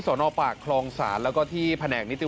สอนอปากคลองศาลแล้วก็ที่แผนก